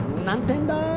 何点だ！